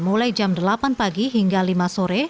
mulai jam delapan pagi hingga lima sore